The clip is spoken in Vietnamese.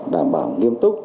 đảm bảo nghiêm túc